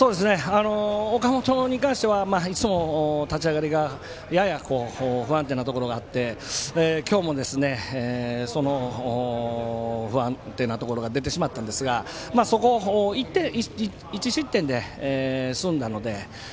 岡本に関してはいつも立ち上がりがやや不安定なところがあって今日も、その不安定なところが出てしまったんですがそこを１失点で済んだので。